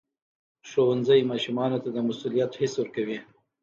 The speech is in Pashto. ښوونځی ماشومانو ته د مسؤلیت حس ورکوي.